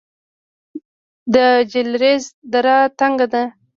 د جلریز دره تنګه ده